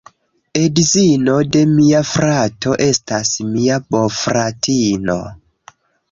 Edzino de mia frato estas mia bofratino.